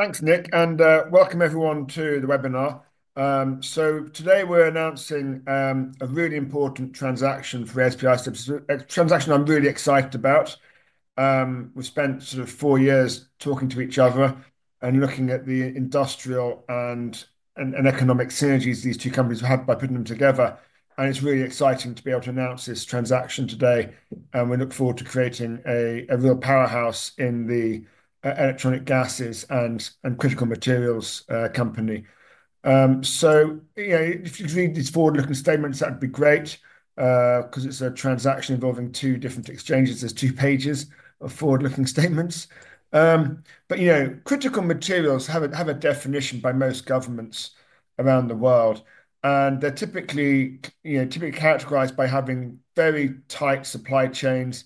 Thanks, Nick, and welcome everyone to the webinar. Today we're announcing a really important transaction for ASP Isotopes, a transaction I'm really excited about. We've spent sort of four years talking to each other and looking at the industrial and economic synergies these two companies have had by putting them together. It's really exciting to be able to announce this transaction today. We look forward to creating a real powerhouse in the electronic gases and critical materials company. If you could read these forward-looking statements, that would be great because it's a transaction involving two different exchanges. There are two pages of forward-looking statements. Critical materials have a definition by most governments around the world. They're typically categorized by having very tight supply chains,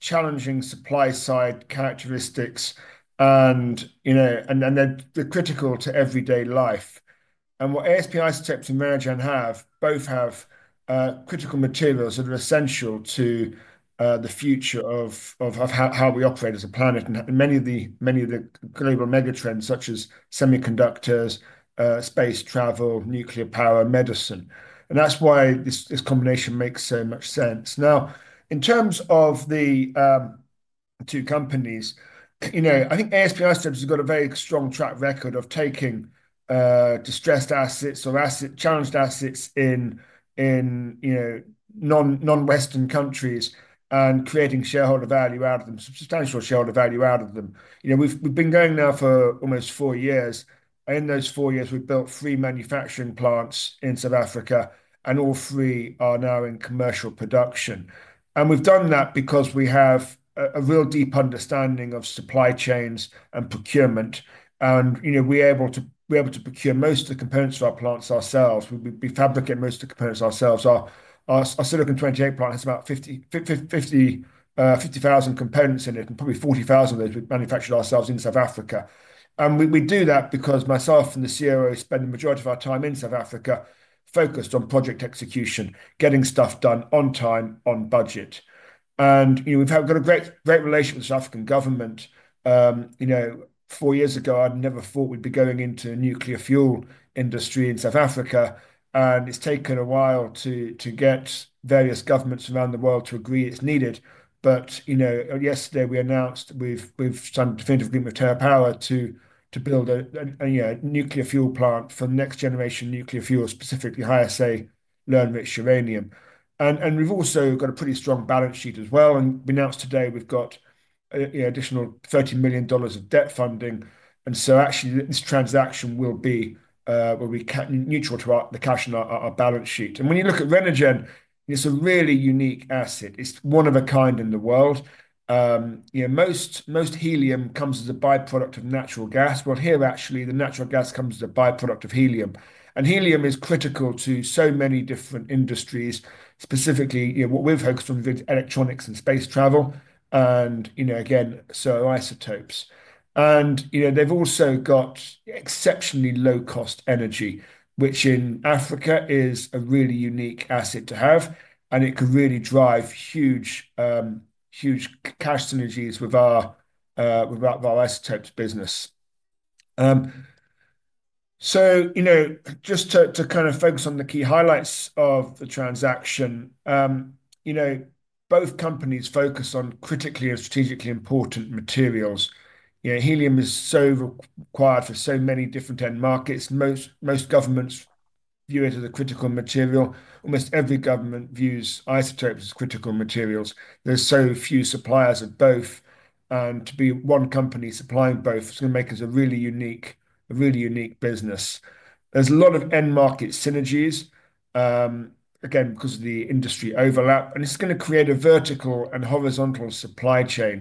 challenging supply-side characteristics, and they're critical to everyday life. ASP Isotopes and Merrill-John have both have critical materials that are essential to the future of how we operate as a planet and many of the global megatrends such as semiconductors, space travel, nuclear power, medicine. That is why this combination makes so much sense. Now, in terms of the two companies, I think ASP Isotopes has got a very strong track record of taking distressed assets or challenged assets in non-Western countries and creating shareholder value out of them, substantial shareholder value out of them. We have been going now for almost four years. In those four years, we have built three manufacturing plants in South Africa, and all three are now in commercial production. We have done that because we have a real deep understanding of supply chains and procurement. We are able to procure most of the components of our plants ourselves. We fabricate most of the components ourselves. Our Silicon-28 plant has about 50,000 components in it and probably 40,000 of those we have manufactured ourselves in South Africa. We do that because myself and the COO spend the majority of our time in South Africa focused on project execution, getting stuff done on time, on budget. We have a great relationship with the South African government. Four years ago, I never thought we would be going into a nuclear fuel industry in South Africa. It has taken a while to get various governments around the world to agree it is needed. Yesterday, we announced we have signed a definitive agreement with TerraPower to build a nuclear fuel plant for next-generation nuclear fuel, specifically high-assay low-enriched uranium. We also have a pretty strong balance sheet as well. We announced today we have an additional $30 million of debt funding. Actually, this transaction will be neutral to the cash in our balance sheet. When you look at Renergen, it's a really unique asset. It's one of a kind in the world. Most helium comes as a byproduct of natural gas. Here, the natural gas comes as a byproduct of helium. Helium is critical to so many different industries, specifically what we've focused on, electronics and space travel, and again, isotopes. They've also got exceptionally low-cost energy, which in Africa is a really unique asset to have. It could really drive huge cash synergies with our isotopes business. Just to kind of focus on the key highlights of the transaction, both companies focus on critically and strategically important materials. Helium is so required for so many different end markets. Most governments view it as a critical material. Almost every government views isotopes as critical materials. There are so few suppliers of both. To be one company supplying both is going to make us a really unique business. There is a lot of end market synergies, again, because of the industry overlap. It is going to create a vertical and horizontal supply chain.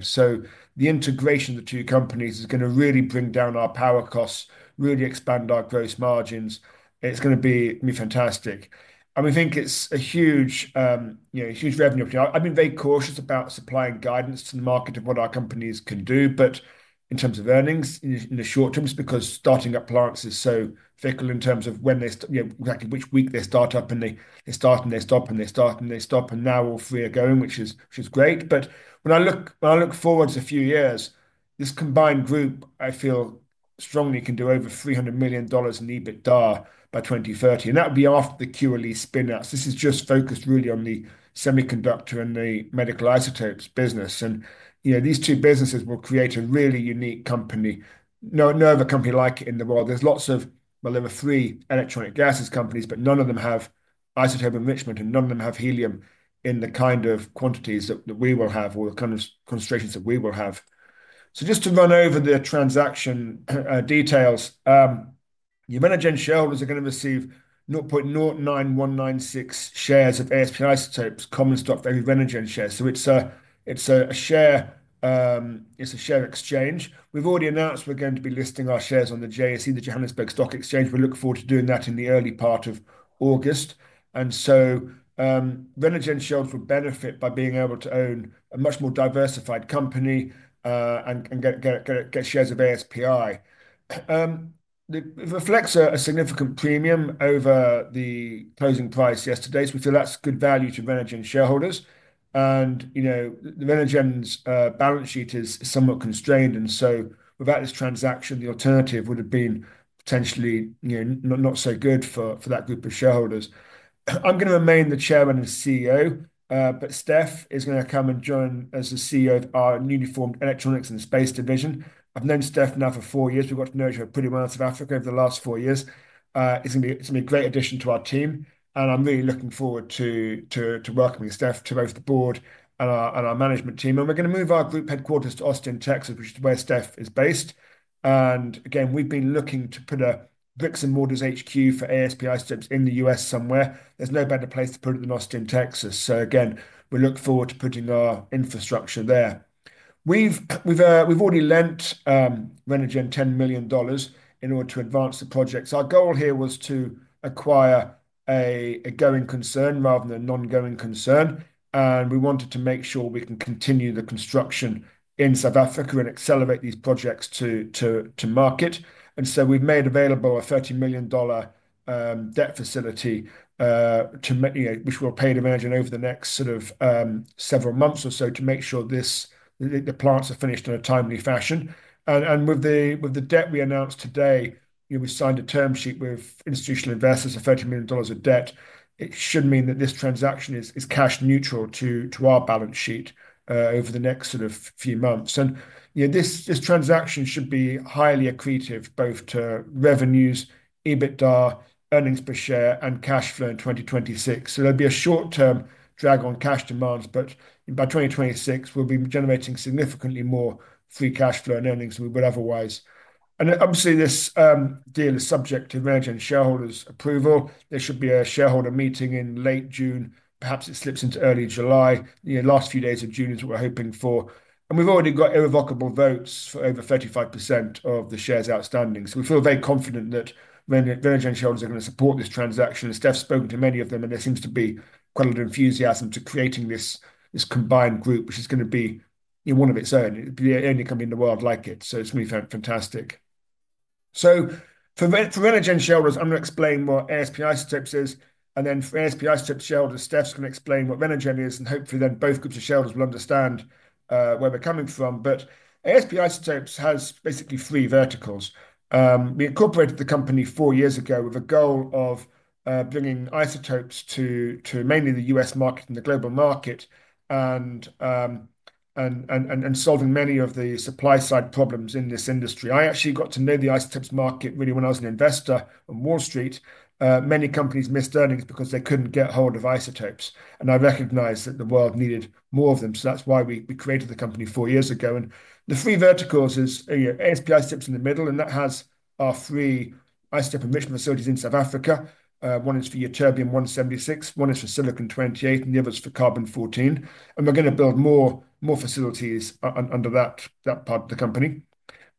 The integration of the two companies is going to really bring down our power costs, really expand our gross margins. It is going to be fantastic. We think it is a huge revenue opportunity. I have been very cautious about supplying guidance to the market of what our companies can do. In terms of earnings in the short term, it is because starting up plants is so fickle in terms of exactly which week they start up and they start and they stop and they start and they stop. All three are going, which is great. When I look forward to a few years, this combined group, I feel strongly, can do over $300 million in EBITDA by 2030. That would be after the QLE spin-outs. This is just focused really on the semiconductor and the medical isotopes business. These two businesses will create a really unique company. No other company like it in the world. There were three electronic gases companies, but none of them have isotope enrichment, and none of them have helium in the kind of quantities that we will have or the kind of concentrations that we will have. Just to run over the transaction details, Renergen shareholders are going to receive 0.09196 shares of ASP Isotopes common stock value Renergen shares. It is a share exchange. We've already announced we're going to be listing our shares on the JSE, the Johannesburg Stock Exchange. We look forward to doing that in the early part of August. Renergen shareholders will benefit by being able to own a much more diversified company and get shares of ASPI. It reflects a significant premium over the closing price yesterday. We feel that's good value to Renergen shareholders. Renergen's balance sheet is somewhat constrained. Without this transaction, the alternative would have been potentially not so good for that group of shareholders. I'm going to remain the Chairman and CEO, but Steph is going to come and join as the CEO of our newly formed electronics and space division. I've known Steph now for four years. We've got to know each other pretty well out of Africa over the last four years. It's going to be a great addition to our team. I'm really looking forward to welcoming Steph to both the board and our management team. We're going to move our group headquarters to Austin, Texas, which is where Steph is based. We've been looking to put a bricks and mortars HQ for ASP Isotopes in the U.S. somewhere. There's no better place to put it than Austin, Texas. We look forward to putting our infrastructure there. We've already lent Renergen $10 million in order to advance the projects. Our goal here was to acquire a going concern rather than a non-going concern. We wanted to make sure we can continue the construction in South Africa and accelerate these projects to market. We have made available a $30 million debt facility, which we will pay to Renergen over the next several months or so to make sure the plants are finished in a timely fashion. With the debt we announced today, we signed a term sheet with institutional investors of $30 million of debt. It should mean that this transaction is cash neutral to our balance sheet over the next few months. This transaction should be highly accretive both to revenues, EBITDA, earnings per share, and cash flow in 2026. There will be a short-term drag on cash demands. By 2026, we will be generating significantly more free cash flow and earnings than we would otherwise. Obviously, this deal is subject to Renergen shareholders' approval. There should be a shareholder meeting in late June. Perhaps it slips into early July. The last few days of June is what we're hoping for. We've already got irrevocable votes for over 35% of the shares outstanding. We feel very confident that Renergen shareholders are going to support this transaction. Steph's spoken to many of them, and there seems to be quite a lot of enthusiasm to creating this combined group, which is going to be one of its own. It'll be the only company in the world like it. It's going to be fantastic. For Renergen shareholders, I'm going to explain what ASP Isotopes is. For ASP Isotopes shareholders, Steph's going to explain what Renergen is. Hopefully, then both groups of shareholders will understand where we're coming from. ASP Isotopes has basically three verticals. We incorporated the company four years ago with a goal of bringing isotopes to mainly the U.S. market and the global market and solving many of the supply-side problems in this industry. I actually got to know the isotopes market really when I was an investor on Wall Street. Many companies missed earnings because they couldn't get hold of isotopes. I recognized that the world needed more of them. That is why we created the company four years ago. The three verticals is ASP Isotopes in the middle. That has our three isotope enrichment facilities in South Africa. One is for Ytterbium-176, one is for Silicon-28, and the other is for Carbon-14. We are going to build more facilities under that part of the company.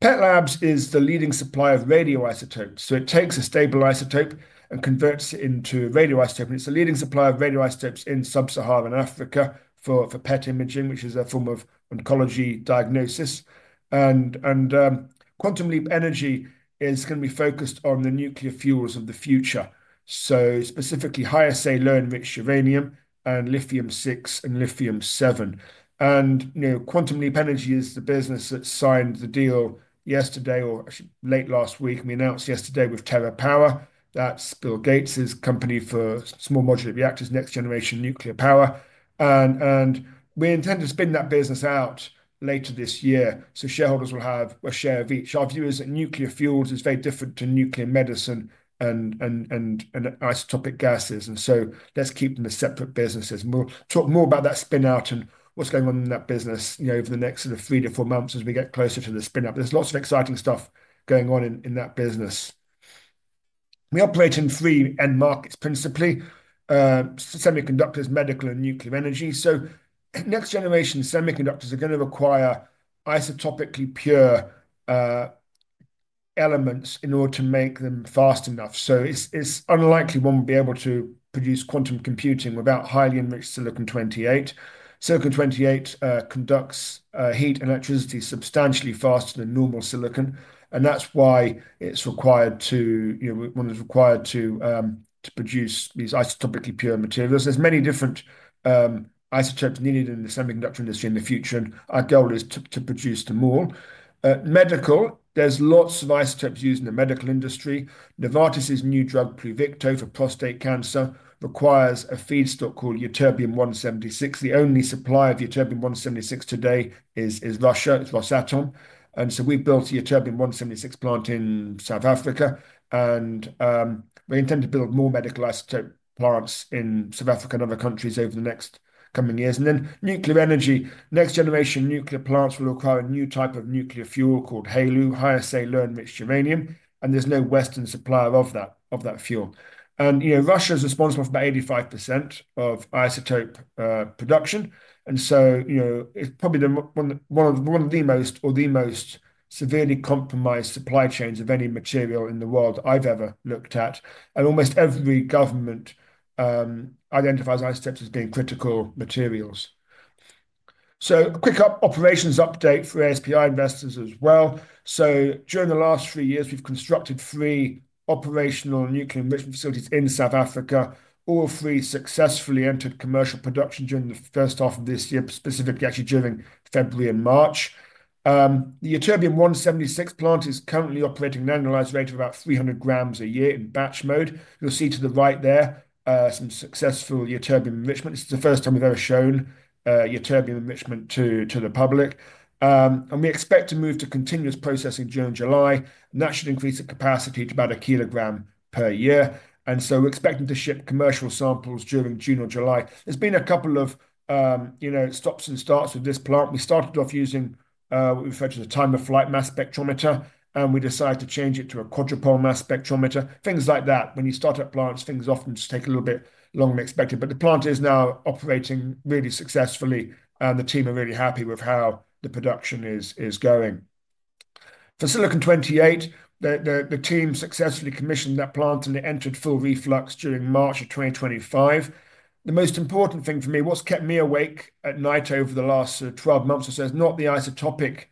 PetLabs is the leading supplier of radioisotopes. It takes a stable isotope and converts it into radioisotope. It is the leading supplier of radioisotopes in sub-Saharan Africa for PET imaging, which is a form of oncology diagnosis. Quantum Leap Energy is going to be focused on the nuclear fuels of the future, specifically high-assay low-enriched uranium and lithium-6 and lithium-7. Quantum Leap Energy is the business that signed the deal yesterday, or actually late last week. We announced yesterday with TerraPower. That is Bill Gates's company for small modular reactors, next-generation nuclear power. We intend to spin that business out later this year. Shareholders will have a share of each. Our view is that nuclear fuels is very different from nuclear medicine and isotopic gases. Let us keep them as separate businesses. We will talk more about that spin-out and what is going on in that business over the next three to four months as we get closer to the spin-out. There's lots of exciting stuff going on in that business. We operate in three end markets principally: semiconductors, medical, and nuclear energy. Next-generation semiconductors are going to require isotopically pure elements in order to make them fast enough. It's unlikely one will be able to produce quantum computing without highly enriched silicon-28. Silicon-28 conducts heat and electricity substantially faster than normal silicon. That's why one is required to produce these isotopically pure materials. There's many different isotopes needed in the semiconductor industry in the future. Our goal is to produce them all. Medical, there's lots of isotopes used in the medical industry. Novartis's new drug, Pluvicto for prostate cancer, requires a feedstock called ytterbium-176. The only supplier of ytterbium-176 today is Russia. It's Rosatom. We've built a ytterbium-176 plant in South Africa. We intend to build more medical isotope plants in South Africa and other countries over the next coming years. Nuclear energy, next-generation nuclear plants will require a new type of nuclear fuel called HALEU, high-assay low-enriched uranium. There is no Western supplier of that fuel. Russia is responsible for about 85% of isotope production. It is probably one of the most or the most severely compromised supply chains of any material in the world I have ever looked at. Almost every government identifies isotopes as being critical materials. A quick operations update for ASP Isotopes investors as well. During the last three years, we have constructed three operational nuclear enrichment facilities in South Africa, all three successfully entered commercial production during the first half of this year, specifically actually during February and March. The Ytterbium-176 plant is currently operating at an annualized rate of about 300 grams a year in batch mode. You'll see to the right there some successful Ytterbium enrichment. This is the first time we've ever shown Ytterbium enrichment to the public. We expect to move to continuous processing during July. That should increase the capacity to about 1 kg per year. We are expecting to ship commercial samples during June or July. There have been a couple of stops and starts with this plant. We started off using what we referred to as a time-of-flight mass spectrometer. We decided to change it to a quadrupole mass spectrometer. Things like that. When you start up plants, things often just take a little bit longer than expected. The plant is now operating really successfully. The team are really happy with how the production is going. For Silicon-28, the team successfully commissioned that plant and it entered full reflux during March of 2025. The most important thing for me, what's kept me awake at night over the last 12 months or so is not the isotopic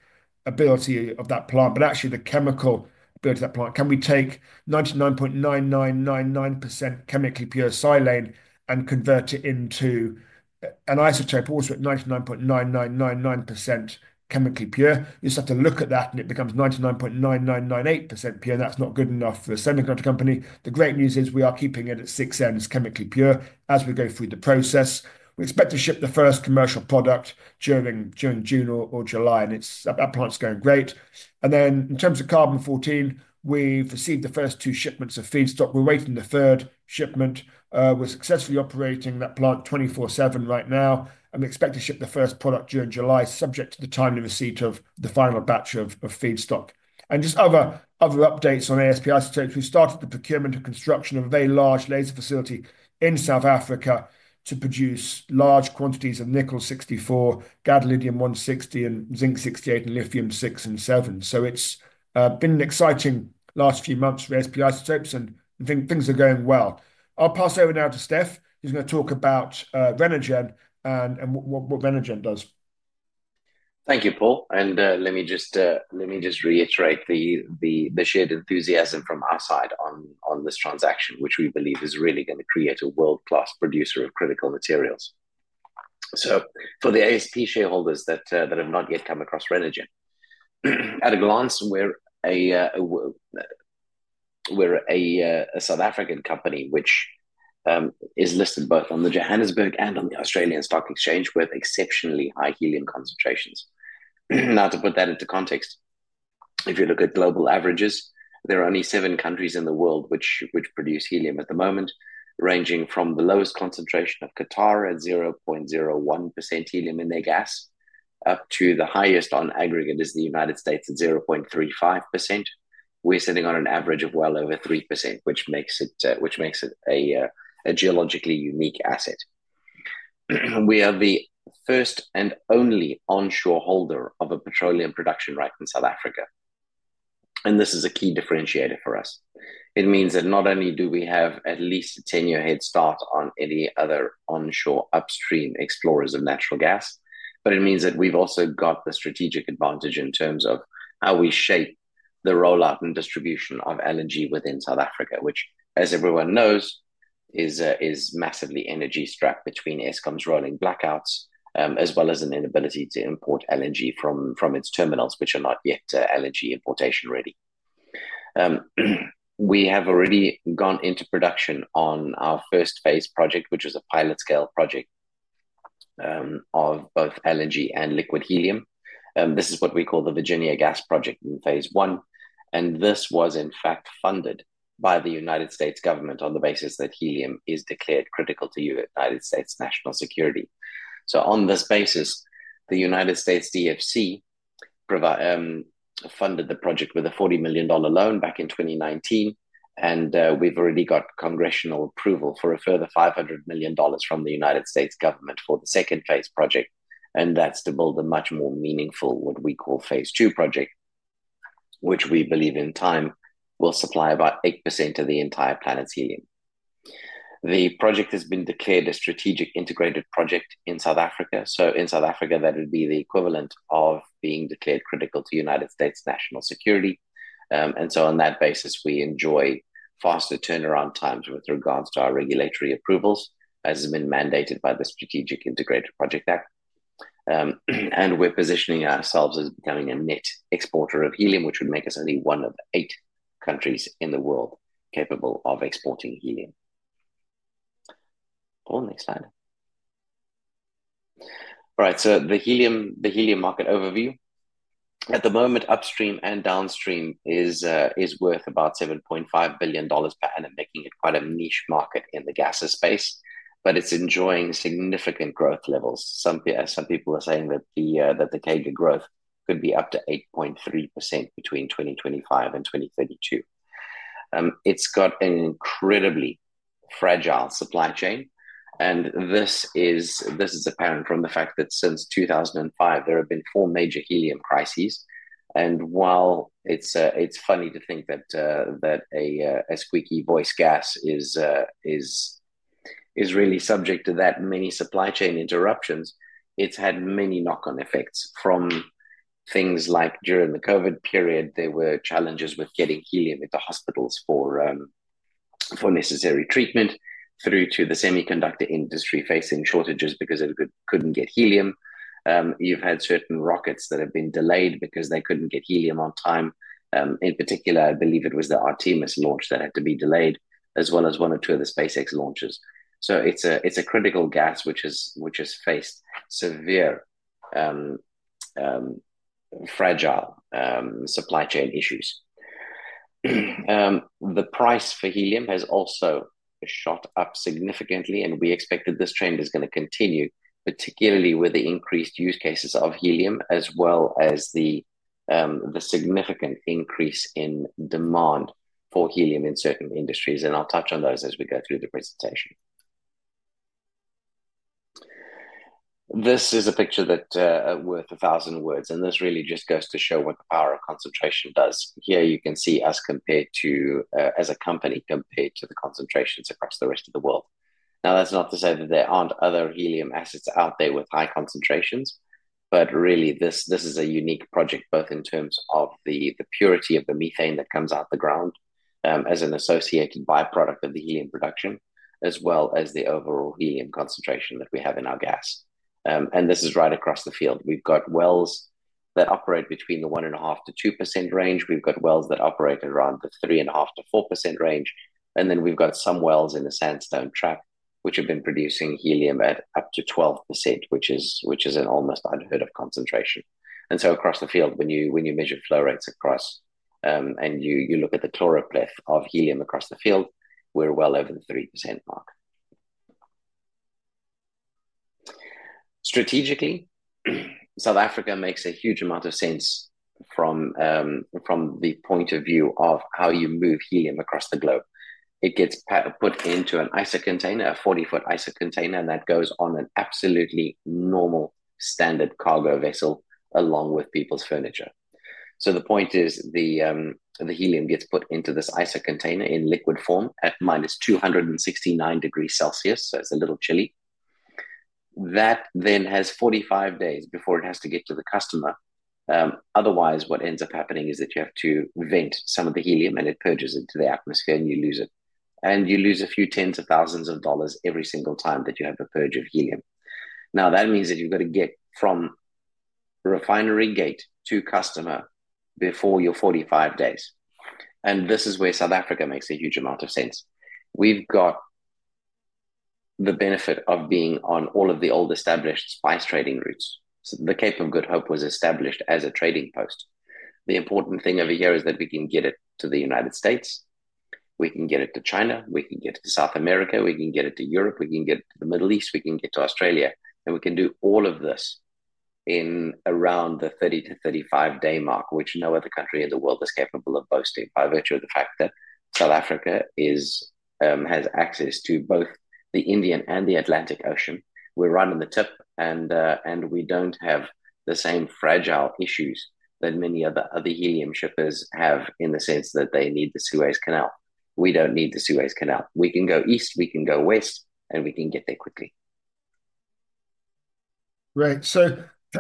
ability of that plant, but actually the chemical ability of that plant. Can we take 99.9999% chemically pure silane and convert it into an isotope also at 99.9999% chemically pure? You just have to look at that and it becomes 99.9998% pure. That's not good enough for a semiconductor company. The great news is we are keeping it at 6Ns chemically pure as we go through the process. We expect to ship the first commercial product during June or July. That plant's going great. In terms of Carbon-14, we've received the first two shipments of feedstock. We're waiting the third shipment. We're successfully operating that plant 24/7 right now. We expect to ship the first product during July, subject to the timely receipt of the final batch of feedstock. Just other updates on ASP Isotopes. We've started the procurement of construction of a very large laser facility in South Africa to produce large quantities of Nickel-64, Gadolinium-160, and Zinc-68, and Lithium-6 and 7. It's been an exciting last few months for ASP Isotopes. I think things are going well. I'll pass over now to Steph. He's going to talk about Renergen and what Renergen does. Thank you, Paul. Let me just reiterate the shared enthusiasm from our side on this transaction, which we believe is really going to create a world-class producer of critical materials. For the ASP shareholders that have not yet come across Renergen, at a glance, we're a South African company which is listed both on the Johannesburg and on the Australian Stock Exchange with exceptionally high helium concentrations. To put that into context, if you look at global averages, there are only seven countries in the world which produce helium at the moment, ranging from the lowest concentration of Qatar at 0.01% helium in their gas up to the highest on aggregate, which is the United States at 0.35%. We're sitting on an average of well over 3%, which makes it a geologically unique asset. We are the first and only onshore holder of a petroleum production right in South Africa. This is a key differentiator for us. It means that not only do we have at least a 10-year head start on any other onshore upstream explorers of natural gas, but it means that we've also got the strategic advantage in terms of how we shape the rollout and distribution of LNG within South Africa, which, as everyone knows, is massively energy strapped between Eskom's rolling blackouts, as well as an inability to import LNG from its terminals, which are not yet LNG importation ready. We have already gone into production on our first phase project, which was a pilot-scale project of both LNG and liquid helium. This is what we call the Virginia Gas Project in phase one. This was, in fact, funded by the United States government on the basis that helium is declared critical to United States national security. this basis, the U.S. International Development Finance Corporation funded the project with a $40 million loan back in 2019. We've already got congressional approval for a further $500 million from the United States government for the second phase project. That's to build a much more meaningful, what we call phase two project, which we believe in time will supply about 8% of the entire planet's helium. The project has been declared a Strategic Integrated Project in South Africa. In South Africa, that would be the equivalent of being declared critical to United States national security. On that basis, we enjoy faster turnaround times with regards to our regulatory approvals, as has been mandated by the Strategic Integrated Project Act. We're positioning ourselves as becoming a net exporter of helium, which would make us only one of eight countries in the world capable of exporting helium. All right, so the helium market overview. At the moment, upstream and downstream is worth about $7.5 billion per annum, making it quite a niche market in the gases space. It's enjoying significant growth levels. Some people are saying that the CAGR growth could be up to 8.3% between 2025 and 2032. It's got an incredibly fragile supply chain. This is apparent from the fact that since 2005, there have been four major helium crises. While it's funny to think that a squeaky voice gas is really subject to that many supply chain interruptions, it's had many knock-on effects from things like during the COVID period, there were challenges with getting helium into hospitals for necessary treatment, through to the semiconductor industry facing shortages because they couldn't get helium. You've had certain rockets that have been delayed because they couldn't get helium on time. In particular, I believe it was the Artemis launch that had to be delayed, as well as one or two of the SpaceX launches. It is a critical gas which has faced severe fragile supply chain issues. The price for helium has also shot up significantly. We expect that this trend is going to continue, particularly with the increased use cases of helium, as well as the significant increase in demand for helium in certain industries. I'll touch on those as we go through the presentation. This is a picture that's worth a thousand words. This really just goes to show what the power of concentration does. Here you can see as a company compared to the concentrations across the rest of the world. That's not to say that there aren't other helium assets out there with high concentrations. Really, this is a unique project, both in terms of the purity of the methane that comes out of the ground as an associated byproduct of the helium production, as well as the overall helium concentration that we have in our gas. This is right across the field. We've got wells that operate between the 1.5%-2% range. We've got wells that operate around the 3.5%-4% range. We have some wells in the sandstone trap, which have been producing helium at up to 12%, which is an almost unheard-of concentration. Across the field, when you measure flow rates and you look at the chloropleth of helium across the field, we are well over the 3% mark. Strategically, South Africa makes a huge amount of sense from the point of view of how you move helium across the globe. It gets put into an ISOC container, a 40-foot ISOC container, and that goes on an absolutely normal standard cargo vessel along with people's furniture. The point is the helium gets put into this ISOC container in liquid form at minus 269 degrees Celsius. It is a little chilly. That then has 45 days before it has to get to the customer. Otherwise, what ends up happening is that you have to vent some of the helium and it purges into the atmosphere and you lose it. You lose a few tens of thousands of dollars every single time that you have a purge of helium. That means that you've got to get from refinery gate to customer before your 45 days. This is where South Africa makes a huge amount of sense. We've got the benefit of being on all of the old established spice trading routes. The Cape of Good Hope was established as a trading post. The important thing over here is that we can get it to the United States. We can get it to China. We can get it to South America. We can get it to Europe. We can get it to the Middle East. We can get to Australia. We can do all of this in around the 30-35 day mark, which no other country in the world is capable of boasting by virtue of the fact that South Africa has access to both the Indian and the Atlantic Ocean. We're right on the tip. We do not have the same fragile issues that many other helium shippers have in the sense that they need the Suez Canal. We do not need the Suez Canal. We can go east. We can go west. We can get there quickly. Right.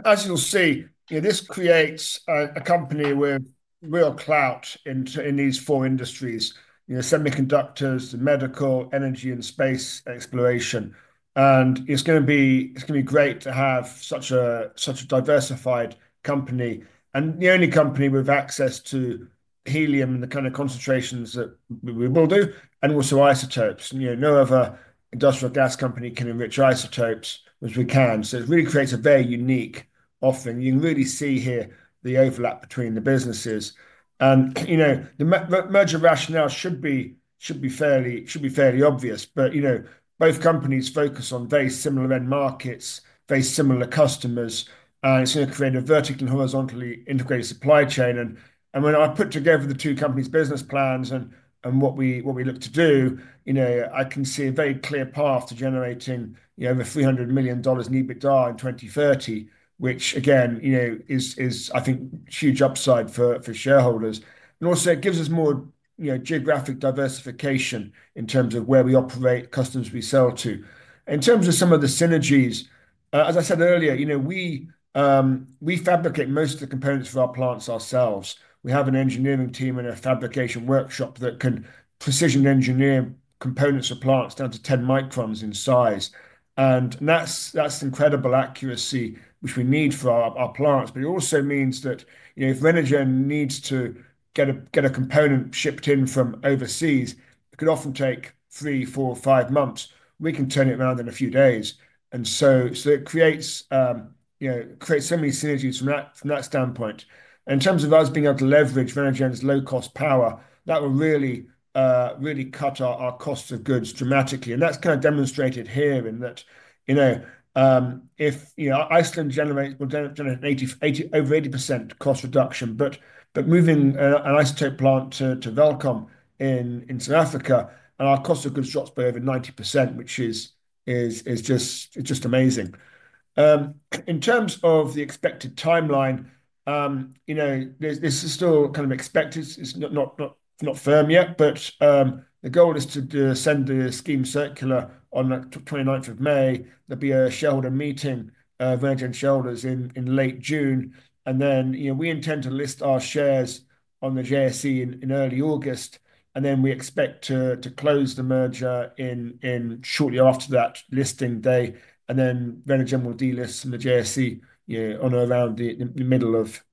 As you'll see, this creates a company with real clout in these four industries: semiconductors, medical, energy, and space exploration. It is going to be great to have such a diversified company and the only company with access to helium in the kind of concentrations that we will do and also isotopes. No other industrial gas company can enrich isotopes as we can. It really creates a very unique offering. You can really see here the overlap between the businesses. The merger rationale should be fairly obvious. Both companies focus on very similar end markets, very similar customers. It is going to create a vertically and horizontally integrated supply chain. When I put together the two companies' business plans and what we look to do, I can see a very clear path to generating over $300 million net EBITDA in 2030, which, again, is, I think, huge upside for shareholders. It also gives us more geographic diversification in terms of where we operate, customers we sell to. In terms of some of the synergies, as I said earlier, we fabricate most of the components for our plants ourselves. We have an engineering team and a fabrication workshop that can precision engineer components of plants down to 10 microns in size. That is incredible accuracy, which we need for our plants. It also means that if Renergen needs to get a component shipped in from overseas, it could often take three, four, five months. We can turn it around in a few days. It creates so many synergies from that standpoint. In terms of us being able to leverage Renergen's low-cost power, that will really cut our cost of goods dramatically. That is kind of demonstrated here in that if Iceland generates over 80% cost reduction, but moving an isotope plant to Welkom in South Africa, and our cost of goods drops by over 90%, which is just amazing. In terms of the expected timeline, this is still kind of expected. It is not firm yet. The goal is to send the scheme circular on the 29th of May. There'll be a shareholder meeting of Renergen shareholders in late June. We intend to list our shares on the JSE in early August. We expect to close the merger shortly after that listing day. Renergen will delist from the JSE on or around the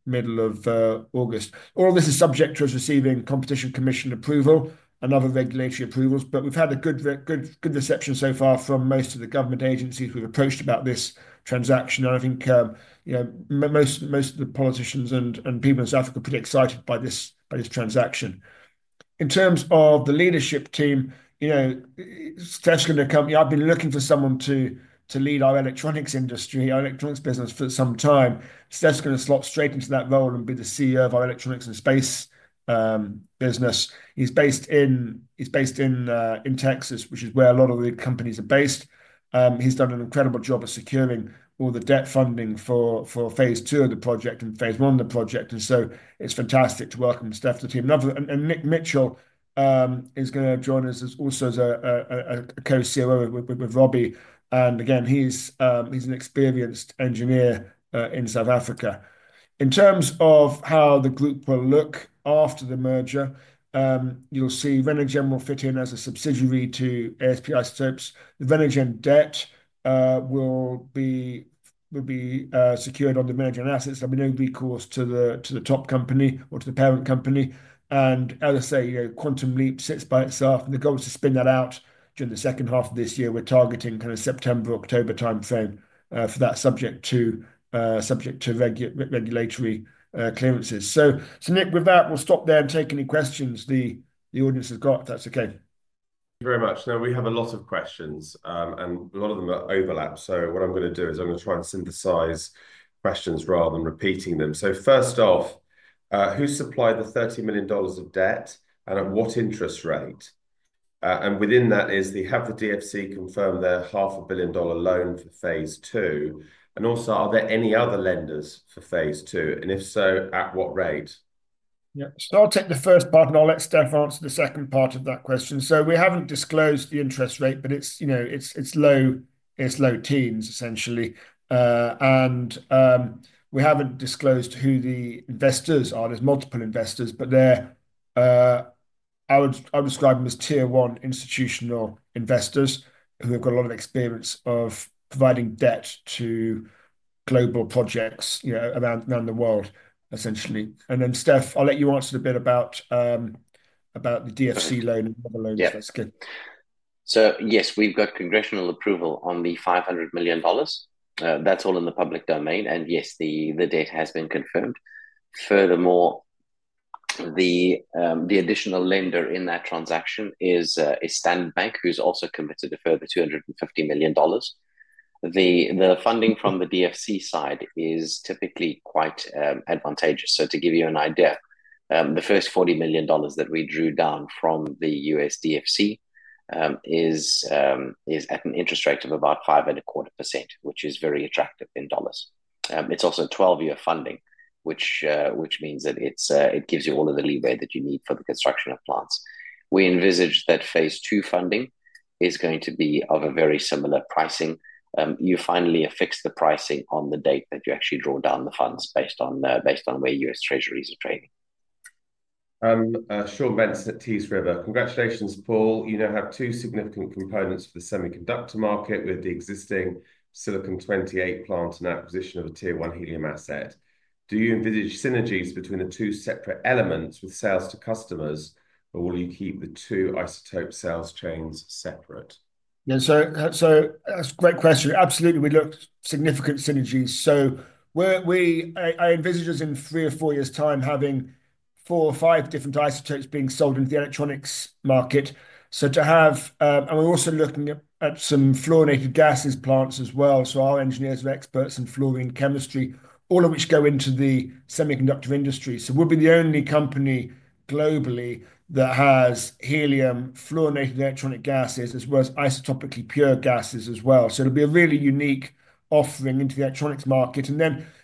middle of August. All of this is subject to us receiving Competition Commission approval and other regulatory approvals. We've had a good reception so far from most of the government agencies we've approached about this transaction. I think most of the politicians and people in South Africa are pretty excited by this transaction. In terms of the leadership team, Steph's going to come. I've been looking for someone to lead our electronics industry, our electronics business for some time. Steph's going to slot straight into that role and be the CEO of our electronics and space business. He's based in Texas, which is where a lot of the companies are based. He's done an incredible job of securing all the debt funding for phase two of the project and phase one of the project. It's fantastic to welcome Steph to the team. Nick Mitchell is going to join us also as a co-COO with Robbie. Again, he's an experienced engineer in South Africa. In terms of how the group will look after the merger, you'll see Renergen will fit in as a subsidiary to ASP Isotopes. The Renergen debt will be secured on the Renergen assets. There'll be no recourse to the top company or to the parent company. As I say, Quantum Leap sits by itself. The goal is to spin that out during the second half of this year. We're targeting kind of September, October timeframe for that subject to regulatory clearances. Nick, with that, we'll stop there and take any questions the audience has got, if that's okay. Thank you very much. We have a lot of questions. A lot of them overlap. What I'm going to do is try and synthesize questions rather than repeating them. First off, who supplied the $30 million of debt and at what interest rate? Within that is, have the DFC confirmed their $500 million loan for phase two? Also, are there any other lenders for phase two? If so, at what rate? Yeah. I'll take the first part and I'll let Steph answer the second part of that question. We have not disclosed the interest rate, but it is low teens, essentially. We have not disclosed who the investors are. There are multiple investors, but I would describe them as tier one institutional investors who have got a lot of experience of providing debt to global projects around the world, essentially. Steph, I will let you answer a bit about the DFC loan and other loans. Yes, we have congressional approval on the $500 million. That is all in the public domain. Yes, the debt has been confirmed. Furthermore, the additional lender in that transaction is Standard Bank, who has also committed a further $250 million. The funding from the DFC side is typically quite advantageous. To give you an idea, the first $40 million that we drew down from the U.S. DFC is at an interest rate of about 5.25%, which is very attractive in dollars. It is also 12-year funding, which means that it gives you all of the leeway that you need for the construction of plants. We envisage that phase two funding is going to be of a very similar pricing. You finally affix the pricing on the date that you actually draw down the funds based on where U.S. Treasuries are trading. I'm Sean Benton at Tees River. Congratulations, Paul. You now have two significant components for the semiconductor market with the existing Silicon-28 plant and acquisition of a tier one helium asset. Do you envisage synergies between the two separate elements with sales to customers, or will you keep the two isotope sales chains separate? Yeah. That's a great question. Absolutely. We look at significant synergies. I envisage us in three or four years' time having four or five different isotopes being sold into the electronics market. We're also looking at some fluorinated gases plants as well. Our engineers are experts in fluorine chemistry, all of which go into the semiconductor industry. We'll be the only company globally that has helium fluorinated electronic gases as well as isotopically pure gases as well. It'll be a really unique offering into the electronics market.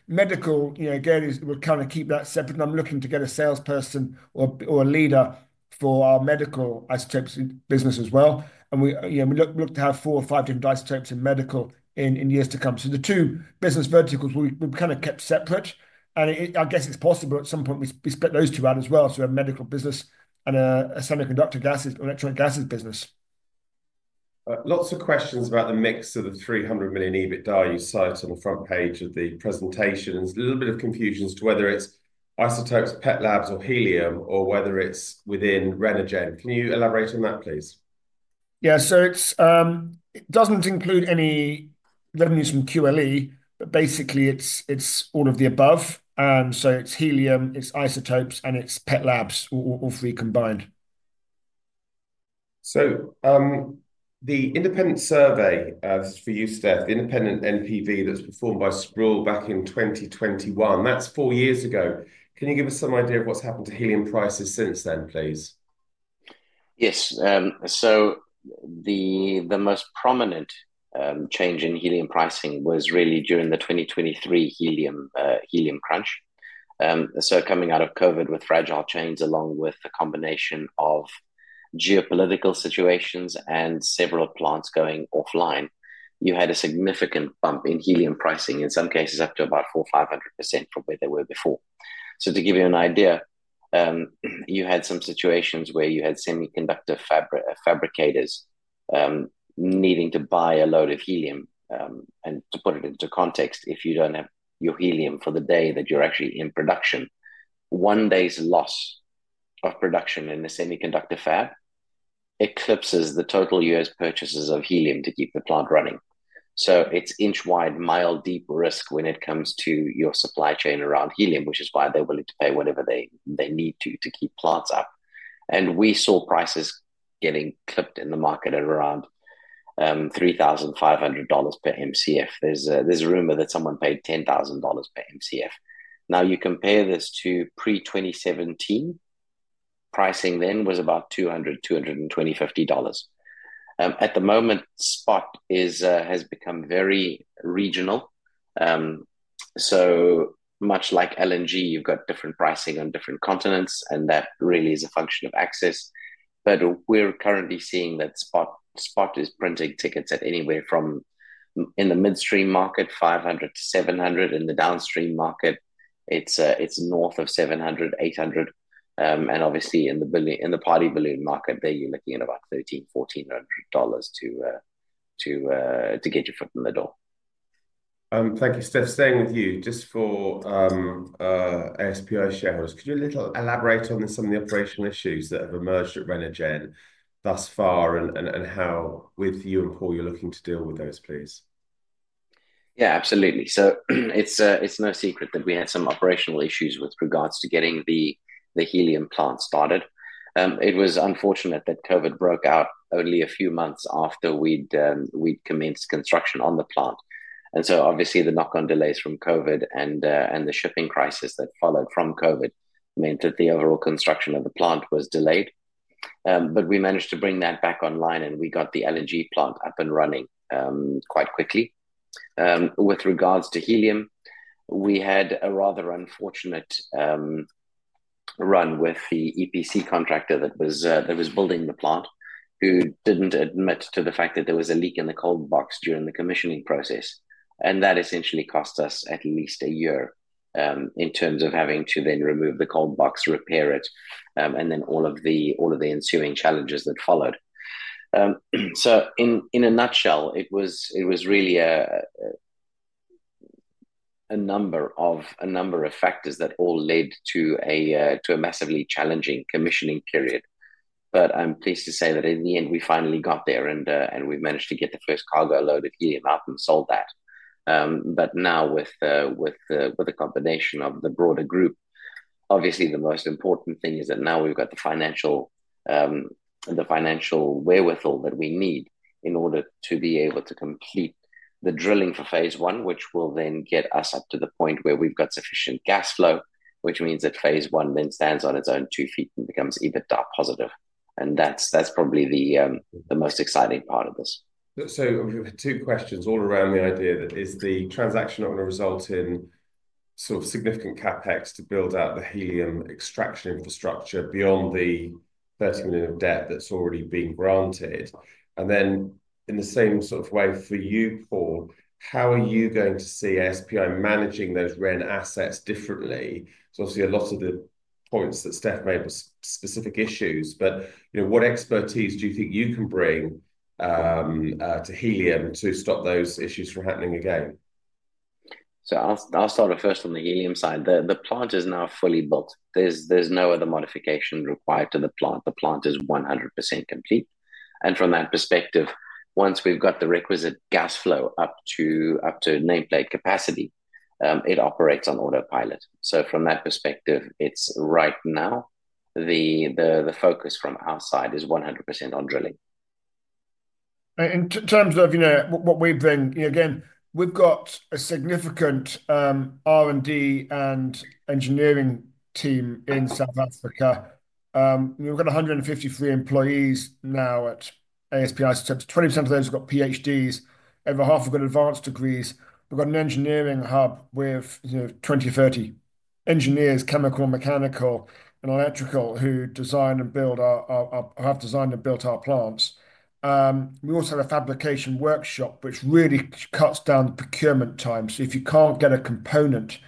Medical, again, we'll kind of keep that separate. I'm looking to get a salesperson or a leader for our medical isotopes business as well. We look to have four or five different isotopes in medical in years to come. The two business verticals will be kind of kept separate. I guess it's possible at some point we split those two out as well. We have medical business and a semiconductor gases or electronic gases business. Lots of questions about the mix of the $300 million EBITDA you cite on the front page of the presentation. There's a little bit of confusion as to whether it's isotopes, PetLabs, or helium, or whether it's within Renergen. Can you elaborate on that, please? Yeah. It doesn't include any revenues from QLE, but basically, it's all of the above. It's helium, it's isotopes, and it's PetLabs, all three combined. The independent survey for you, Steph, the independent NPV that was performed by Sprawl back in 2021, that's four years ago. Can you give us some idea of what's happened to helium prices since then, please? Yes. The most prominent change in helium pricing was really during the 2023 helium crunch. Coming out of COVID with fragile chains along with a combination of geopolitical situations and several plants going offline, you had a significant bump in helium pricing, in some cases up to about 4,500% from where they were before. To give you an idea, you had some situations where you had semiconductor fabricators needing to buy a load of helium. To put it into context, if you do not have your helium for the day that you are actually in production, one day's loss of production in a semiconductor fab eclipses the total U.S. purchases of helium to keep the plant running. It is inch-wide, mile-deep risk when it comes to your supply chain around helium, which is why they are willing to pay whatever they need to keep plants up. We saw prices getting clipped in the market at around $3,500 per MCF. There is a rumor that someone paid $10,000 per MCF. You compare this to pre-2017, pricing then was about $200, $220, $250. At the moment, spot has become very regional. Much like LNG, you have different pricing on different continents. That really is a function of access. We are currently seeing that spot is printing tickets at anywhere from, in the midstream market, $500-$700. In the downstream market, it is north of $700-$800. Obviously, in the party balloon market, you are looking at about $1,300-$1,400 to get your foot in the door. Thank you, Steph. Staying with you, just for ASP shareholders, could you a little elaborate on some of the operational issues that have emerged at Renergen thus far and how, with you and Paul, you're looking to deal with those, please? Yeah, absolutely. It is no secret that we had some operational issues with regards to getting the helium plant started. It was unfortunate that COVID broke out only a few months after we had commenced construction on the plant. Obviously, the knock-on delays from COVID and the shipping crisis that followed from COVID meant that the overall construction of the plant was delayed. We managed to bring that back online, and we got the LNG plant up and running quite quickly. With regards to helium, we had a rather unfortunate run with the EPC contractor that was building the plant who did not admit to the fact that there was a leak in the cold box during the commissioning process. That essentially cost us at least a year in terms of having to then remove the cold box, repair it, and then all of the ensuing challenges that followed. In a nutshell, it was really a number of factors that all led to a massively challenging commissioning period. I am pleased to say that in the end, we finally got there, and we managed to get the first cargo load of helium out and sold that. Now, with the combination of the broader group, obviously, the most important thing is that now we've got the financial wherewithal that we need in order to be able to complete the drilling for phase one, which will then get us up to the point where we've got sufficient gas flow, which means that phase one then stands on its own two feet and becomes EBITDA positive. That's probably the most exciting part of this. We have two questions all around the idea that is the transaction not going to result in sort of significant CapEx to build out the helium extraction infrastructure beyond the $30 million of debt that's already being granted? In the same sort of way for you, Paul, how are you going to see ASP Isotopes managing those REN assets differently? There's obviously a lot of the points that Steph made were specific issues. What expertise do you think you can bring to helium to stop those issues from happening again? I'll start first on the helium side. The plant is now fully built. There's no other modification required to the plant. The plant is 100% complete. From that perspective, once we've got the requisite gas flow up to nameplate capacity, it operates on autopilot. From that perspective, right now, the focus from our side is 100% on drilling. In terms of what we've then again, we've got a significant R&D and engineering team in South Africa. We've got 153 employees now at ASP Isotopes. 20% of those have got PhDs. Over half have got advanced degrees. We've got an engineering hub with 20-30 engineers, chemical, mechanical, and electrical, who design and build our, have designed and built our plants. We also have a fabrication workshop, which really cuts down the procurement time. If you can't get a component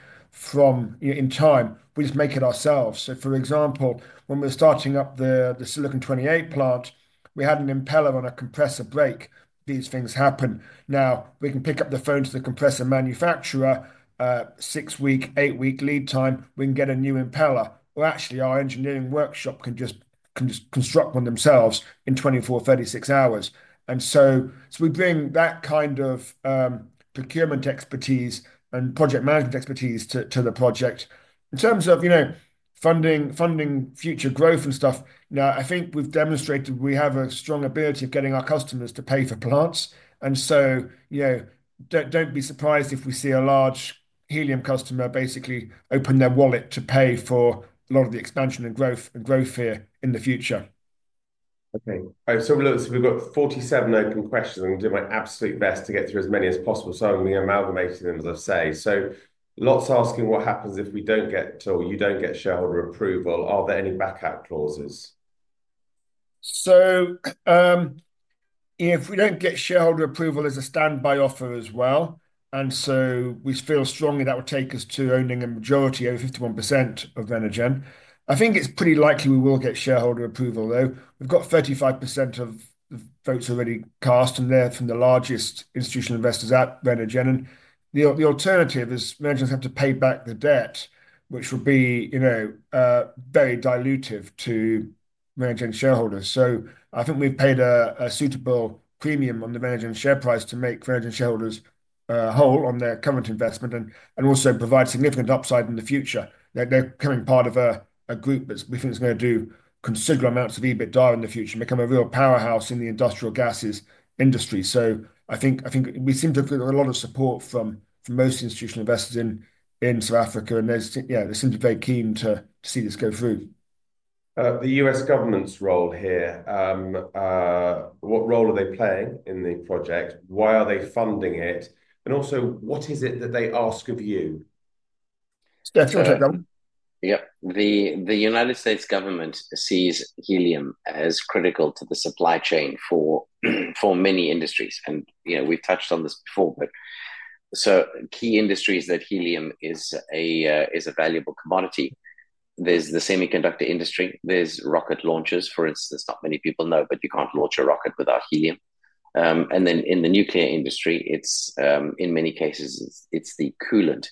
in time, we just make it ourselves. For example, when we were starting up the Silicon-28 plant, we had an impeller on a compressor break. These things happen. You can pick up the phone to the compressor manufacturer, six-week, eight-week lead time. You can get a new impeller. Or actually, our engineering workshop can just construct one themselves in 24-36 hours. We bring that kind of procurement expertise and project management expertise to the project. In terms of funding, future growth and stuff, I think we've demonstrated we have a strong ability of getting our customers to pay for plants. Do not be surprised if we see a large helium customer basically open their wallet to pay for a lot of the expansion and growth here in the future. Okay. We have 47 open questions. I'm going to do my absolute best to get through as many as possible. I'm going to be amalgamating them, as I say. Lots asking what happens if we do not get or you do not get shareholder approval. Are there any backup clauses? If we do not get shareholder approval, there is a standby offer as well. We feel strongly that will take us to owning a majority, over 51% of Renergen. I think it is pretty likely we will get shareholder approval, though. We have 35% of the votes already cast, and they are from the largest institutional investors at Renergen. The alternative is Renergen has to pay back the debt, which will be very dilutive to Renergen shareholders. I think we've paid a suitable premium on the Renergen share price to make Renergen shareholders whole on their current investment and also provide significant upside in the future. They are becoming part of a group that we think is going to do considerable amounts of EBITDA in the future and become a real powerhouse in the industrial gases industry. I think we seem to have got a lot of support from most institutional investors in South Africa. They seem to be very keen to see this go through. The U.S. government's role here. What role are they playing in the project? Why are they funding it? And also, what is it that they ask of you? Yep. The United States government sees helium as critical to the supply chain for many industries. We've touched on this before, but key industries that helium is a valuable commodity. There's the semiconductor industry. There's rocket launchers, for instance. Not many people know, but you can't launch a rocket without helium. In the nuclear industry, in many cases, it's the coolant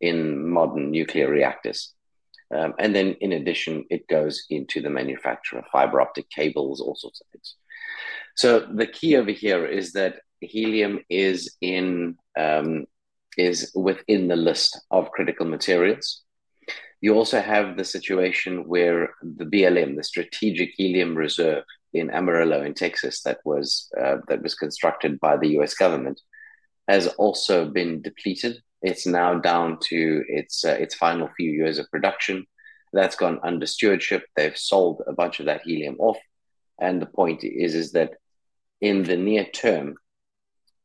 in modern nuclear reactors. In addition, it goes into the manufacture of fiber optic cables, all sorts of things. The key over here is that helium is within the list of critical materials. You also have the situation where the BLM, the Strategic Helium Reserve in Amarillo in Texas, that was constructed by the U.S. government, has also been depleted. It's now down to its final few years of production. That's gone under stewardship. They've sold a bunch of that helium off. The point is that in the near term,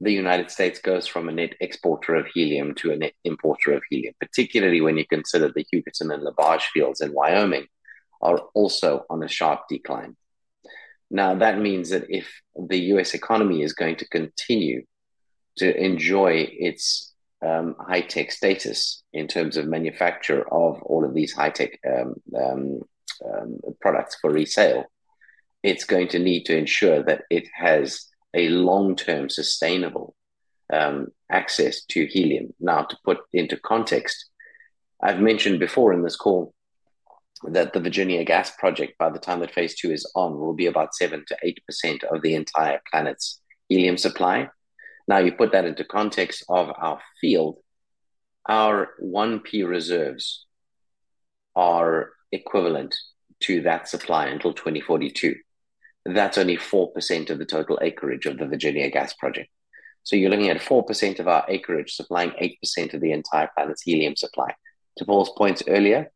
the United States goes from a net exporter of helium to a net importer of helium, particularly when you consider the Hugoton and LaBarge fields in Wyoming are also on a sharp decline. That means that if the U.S. economy is going to continue to enjoy its high-tech status in terms of manufacture of all of these high-tech products for resale, it's going to need to ensure that it has a long-term sustainable access to helium. To put into context, I've mentioned before in this call that the Virginia Gas Project, by the time that phase two is on, will be about 7-8% of the entire planet's helium supply. You put that into context of our field, our 1P reserves are equivalent to that supply until 2042. That's only 4% of the total acreage of the Virginia Gas Project. You're looking at 4% of our acreage supplying 8% of the entire planet's helium supply. To Paul's points earlier,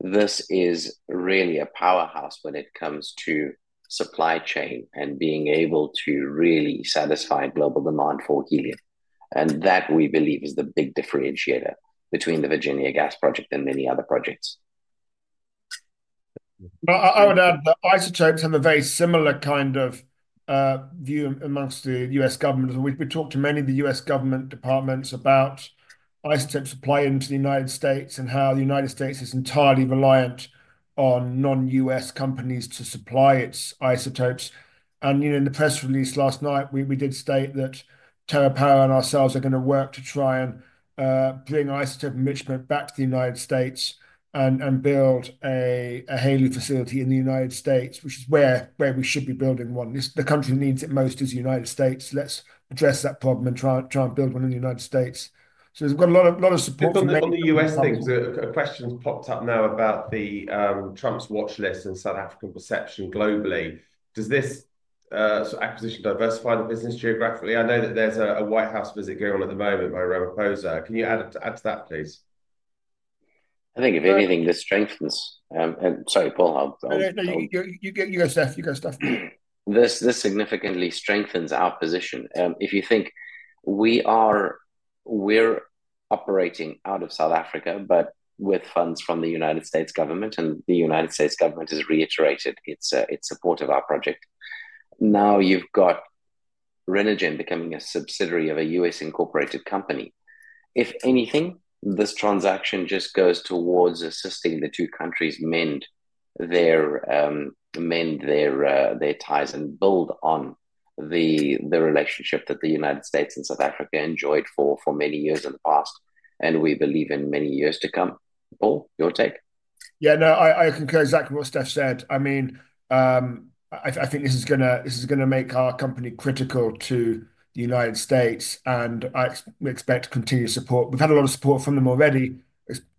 this is really a powerhouse when it comes to supply chain and being able to really satisfy global demand for helium. That, we believe, is the big differentiator between the Virginia Gas Project and many other projects. I would add that isotopes have a very similar kind of view amongst the U.S. government. We talked to many of the U.S. government departments about isotopes' supply into the United States and how the United States is entirely reliant on non-U.S. companies to supply its isotopes. In the press release last night, we did state that TerraPower and ourselves are going to work to try and bring isotope enrichment back to the United States and build a HALEU facility in the United States, which is where we should be building one. The country that needs it most is the United States. Let's address that problem and try and build one in the United States. We have a lot of support. On the U.S. thing, questions popped up now about Trump's watch list and South African perception globally. Does this acquisition diversify the business geographically? I know that there is a White House visit going on at the moment by Ramaphosa. Can you add to that, please? I think if anything, this strengthens. Sorry, Paul. No, no, no. You go, Steph. You go, Steph. This significantly strengthens our position. If you think we are operating out of South Africa, but with funds from the United States government, and the United States government has reiterated its support of our project. Now, you've got Renergen becoming a subsidiary of a U.S. incorporated company. If anything, this transaction just goes towards assisting the two countries mend their ties and build on the relationship that the United States and South Africa enjoyed for many years in the past. We believe in many years to come. Paul, your take? Yeah. No, I concur exactly with what Steph said. I mean, I think this is going to make our company critical to the United States. We expect continued support. We've had a lot of support from them already.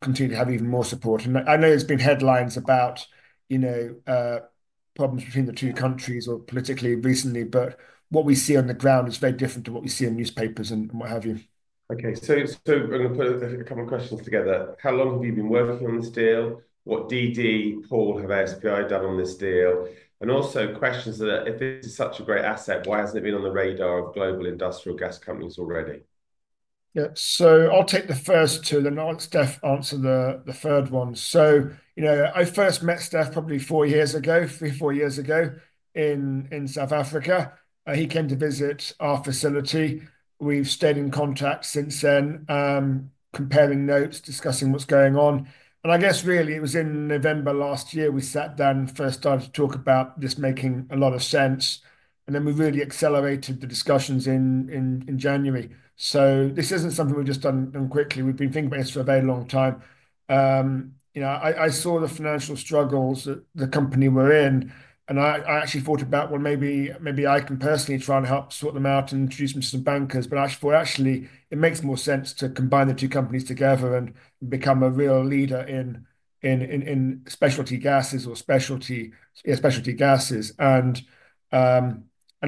Continue to have even more support. I know there's been headlines about problems between the two countries or politically recently, but what we see on the ground is very different to what we see in newspapers and what have you. Okay. I'm going to put a couple of questions together. How long have you been working on this deal? What DD, Paul, have ASP done on this deal? Also, questions that if it's such a great asset, why hasn't it been on the radar of global industrial gas companies already? Yeah. I'll take the first two. Then I'll let Steph answer the third one. I first met Steph probably four years ago, three, four years ago in South Africa. He came to visit our facility. We've stayed in contact since then, comparing notes, discussing what's going on. I guess really it was in November last year we sat down and first started to talk about this making a lot of sense. We really accelerated the discussions in January. This is not something we have just done quickly. We have been thinking about this for a very long time. I saw the financial struggles that the company were in. I actually thought about, well, maybe I can personally try and help sort them out and introduce them to some bankers. I thought, actually, it makes more sense to combine the two companies together and become a real leader in specialty gases or specialty gases.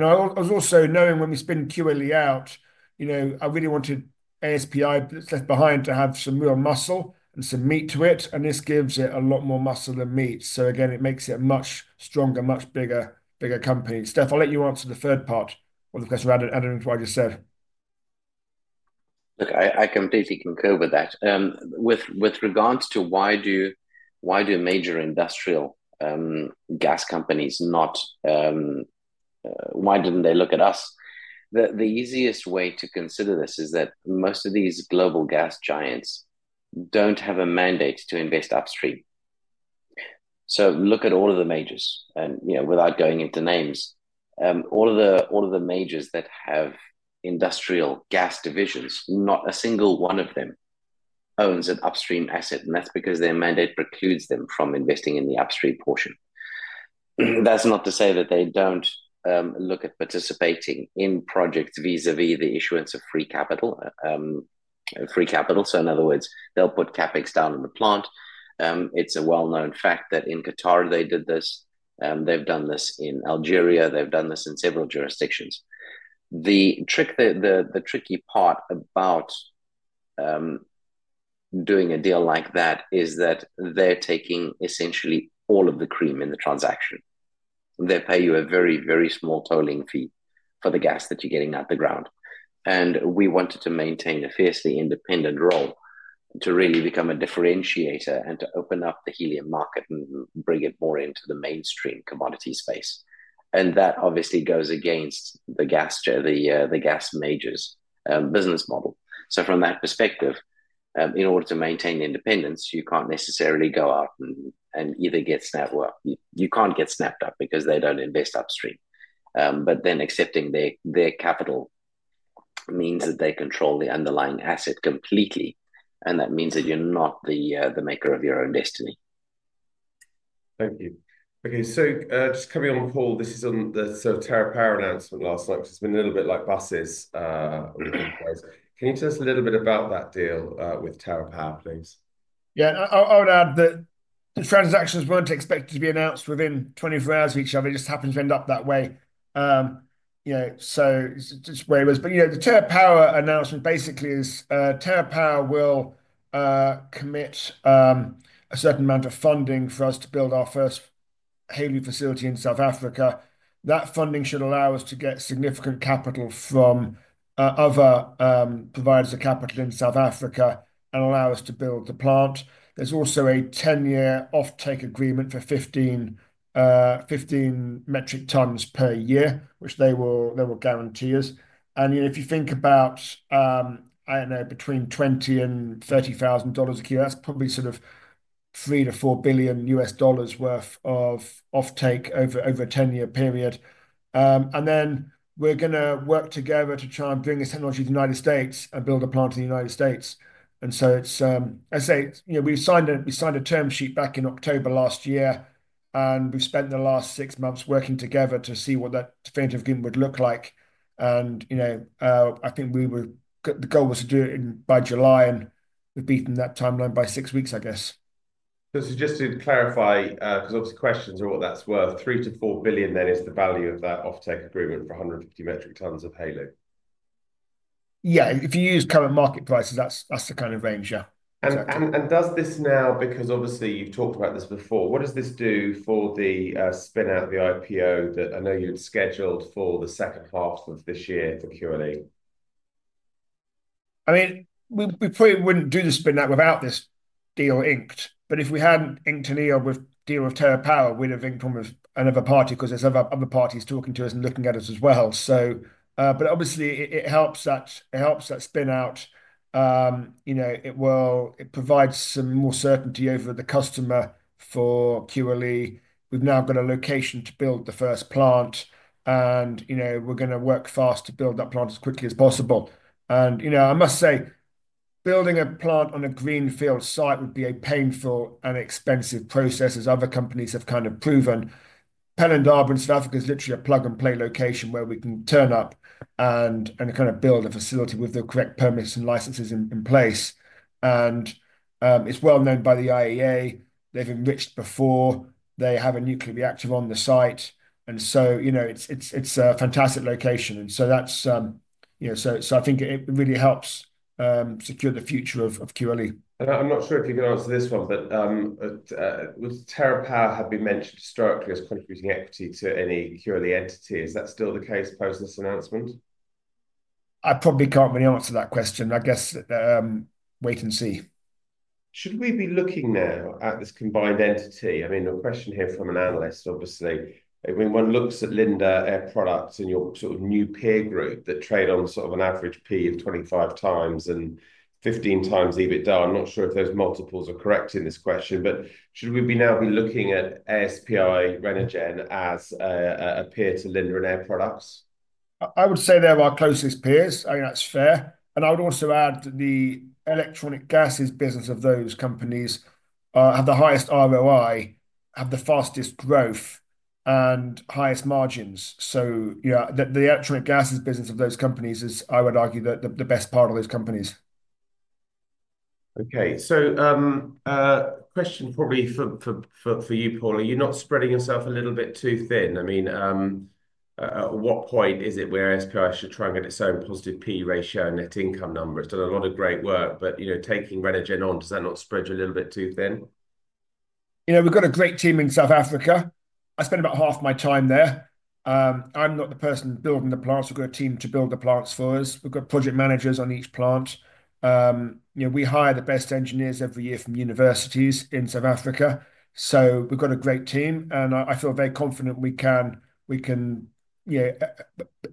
I was also knowing when we spin QLE out, I really wanted ASPI left behind to have some real muscle and some meat to it. This gives it a lot more muscle than meat. Again, it makes it a much stronger, much bigger company. Steph, I'll let you answer the third part of the question adding to what I just said. Look, I completely concur with that. With regards to why do major industrial gas companies not, why didn't they look at us? The easiest way to consider this is that most of these global gas giants don't have a mandate to invest upstream. Look at all of the majors. Without going into names, all of the majors that have industrial gas divisions, not a single one of them owns an upstream asset. That's because their mandate precludes them from investing in the upstream portion. That's not to say that they don't look at participating in projects vis-à-vis the issuance of free capital. In other words, they'll put CapEx down in the plant. It's a well-known fact that in Qatar, they did this. They've done this in Algeria. They've done this in several jurisdictions. The tricky part about doing a deal like that is that they're taking essentially all of the cream in the transaction. They pay you a very, very small tolling fee for the gas that you're getting out the ground. We wanted to maintain a fiercely independent role to really become a differentiator and to open up the helium market and bring it more into the mainstream commodity space. That obviously goes against the gas majors' business model. From that perspective, in order to maintain independence, you can't necessarily go out and either get snapped up. You can't get snapped up because they don't invest upstream. Accepting their capital means that they control the underlying asset completely. That means that you're not the maker of your own destiny. Thank you. Okay. Just coming on, Paul, this is on the sort of TerraPower announcement last night, which has been a little bit like buses. Can you tell us a little bit about that deal with TerraPower, please? Yeah. I would add that the transactions were not expected to be announced within 24 hours of each other. It just happened to end up that way. It is just where it was. The TerraPower announcement basically is TerraPower will commit a certain amount of funding for us to build our first HALEU facility in South Africa. That funding should allow us to get significant capital from other providers of capital in South Africa and allow us to build the plant. There is also a 10-year offtake agreement for 15 metric tons per year, which they will guarantee us. If you think about, I don't know, between $20,000 and $30,000 a year, that's probably sort of $3 billion-$4 billion worth of offtake over a 10-year period. We're going to work together to try and bring this technology to the United States and build a plant in the United States. As I say, we signed a term sheet back in October last year. We've spent the last six months working together to see what that definitive agreement would look like. I think the goal was to do it by July. We've beaten that timeline by six weeks, I guess. Just to clarify, because obviously questions are what that's worth, $3 billion-$4 billion then is the value of that offtake agreement for 150 metric tons of HALEU? Yeah. If you use current market prices, that's the kind of range, yeah. Does this now, because obviously you've talked about this before, what does this do for the spin-out, the IPO that I know you'd scheduled for the second half of this year for QLE? I mean, we probably wouldn't do the spin-out without this deal inked. If we hadn't inked a deal with TerraPower, we'd have inked one with another party because there's other parties talking to us and looking at us as well. Obviously, it helps that spin-out. It provides some more certainty over the customer for QLE. We've now got a location to build the first plant. We're going to work fast to build that plant as quickly as possible. I must say, building a plant on a greenfield site would be a painful and expensive process, as other companies have kind of proven. Penn and Darborough in South Africa is literally a plug-and-play location where we can turn up and kind of build a facility with the correct permits and licenses in place. It is well known by the IEA. They have enriched before. They have a nuclear reactor on the site. It is a fantastic location. That is why I think it really helps secure the future of QLE. I'm not sure if you can answer this one, but TerraPower had been mentioned historically as contributing equity to any QLE entity. Is that still the case post this announcement? I probably can't really answer that question. I guess wait and see. Should we be looking now at this combined entity? I mean, a question here from an analyst, obviously. I mean, one looks at Linde, Air Products, and your sort of new peer group that trade on sort of an average P of 25 times and 15 times EBITDA. I'm not sure if those multiples are correct in this question, but should we now be looking at ASP Isotopes, Renergen as a peer to Linde and Air Products? I would say they're our closest peers. I mean, that's fair. I would also add the electronic gases business of those companies have the highest ROI, have the fastest growth, and highest margins. The electronic gases business of those companies is, I would argue, the best part of those companies. Okay. Question probably for you, Paul. Are you not spreading yourself a little bit too thin? I mean, at what point is it where ASP Isotopes should try and get its own positive P ratio and net income numbers? It's done a lot of great work, but taking Renergen on, does that not spread you a little bit too thin? We've got a great team in South Africa. I spend about half my time there. I'm not the person building the plants. We've got a team to build the plants for us. We've got project managers on each plant. We hire the best engineers every year from universities in South Africa. So we've got a great team. And I feel very confident we can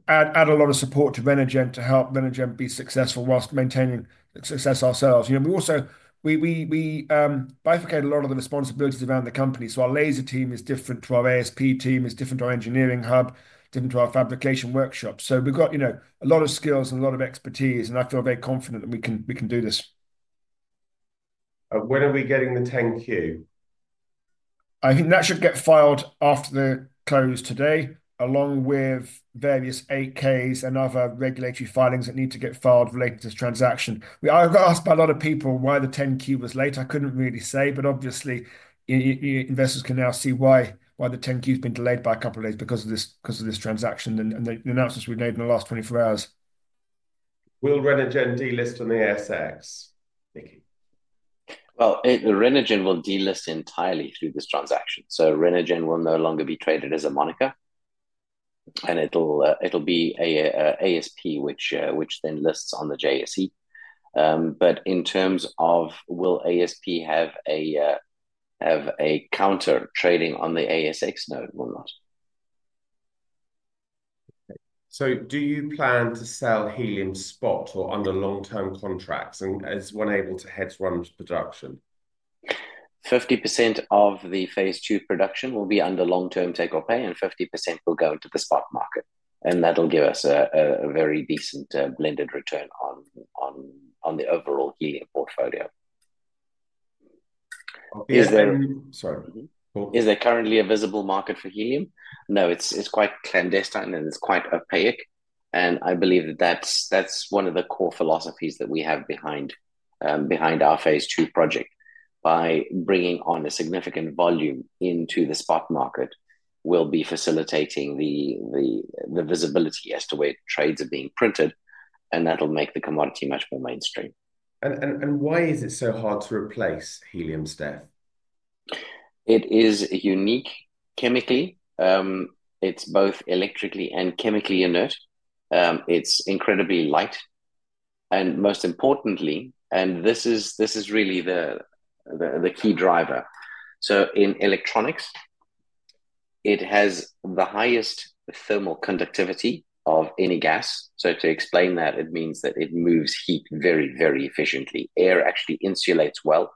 add a lot of support to Renergen to help Renergen be successful whilst maintaining success ourselves. We also bifurcate a lot of the responsibilities around the company. Our laser team is different to our ASP team, is different to our engineering hub, different to our fabrication workshops. We have a lot of skills and a lot of expertise. I feel very confident that we can do this. When are we getting the 10Q? I think that should get filed after the close today, along with various 8Ks and other regulatory filings that need to get filed related to this transaction. I have been asked by a lot of people why the 10Q was late. I could not really say, but obviously, investors can now see why the 10Q has been delayed by a couple of days because of this transaction and the announcements we have made in the last 24 hours. Will Renergen delist on the ASX? Renergen will delist entirely through this transaction. Renergen will no longer be traded as a moniker. It will be ASP, which then lists on the JSE. In terms of will ASP have a counter trading on the ASX? No, it will not. Do you plan to sell helium spot or under long-term contracts? Is one able to hedge to run to production? 50% of the phase two production will be under long-term take-up, and 50% will go into the spot market. That will give us a very decent blended return on the overall helium portfolio. Sorry. Is there currently a visible market for helium? No, it is quite clandestine and it is quite opaque. I believe that is one of the core philosophies that we have behind our phase two project. By bringing on a significant volume into the spot market, we will be facilitating the visibility as to where trades are being printed. That will make the commodity much more mainstream. Why is it so hard to replace helium, Steph? It is unique chemically. It's both electrically and chemically inert. It's incredibly light. Most importantly, and this is really the key driver, in electronics, it has the highest thermal conductivity of any gas. To explain that, it means that it moves heat very, very efficiently. Air actually insulates well.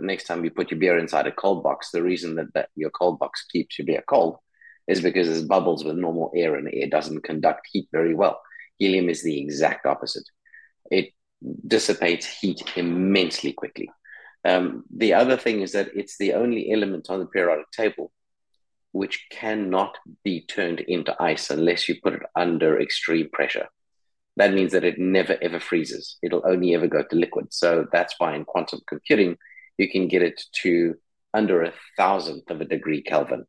Next time you put your beer inside a cold box, the reason that your cold box keeps your beer cold is because there's bubbles with normal air, and air doesn't conduct heat very well. Helium is the exact opposite. It dissipates heat immensely quickly. The other thing is that it's the only element on the periodic table which cannot be turned into ice unless you put it under extreme pressure. That means that it never, ever freezes. It'll only ever go to liquid. That's why in quantum computing, you can get it to under a thousandth of a degree Kelvin.